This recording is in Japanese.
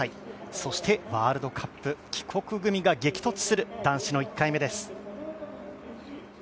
そしてワールドカップ帰国組が激突する男子の１回目です。